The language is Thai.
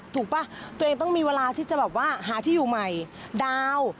ถูกป่ะตัวเองต้องมีเวลาที่จะหาที่อยู่ใหม่ดาว